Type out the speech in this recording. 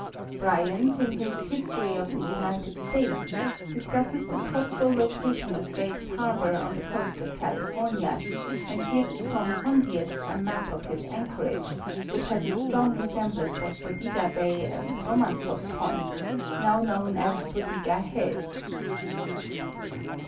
Bryant, in his History of the United States, discusses the prob able location of Drake's harbor on the coast of California, and gives from Hondius a map of his anchorage, which has a strong resemblance to Bodega bay and Romanzoff point, now known as Bodega head.